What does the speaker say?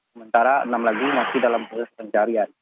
sementara enam lagi masih dalam proses pencarian